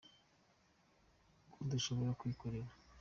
ko dushobora kwikorera.